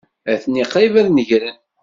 Atni qrib ad negren.